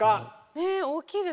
え大きいですね。